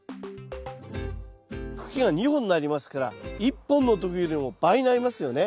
茎が２本になりますから１本の時よりも倍になりますよね？